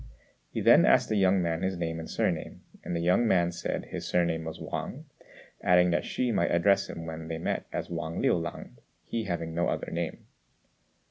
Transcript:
He then asked the young man his name and surname; and the young man said his surname was Wang, adding that Hsü might address him when they met as Wang Liu lang, he having no other name.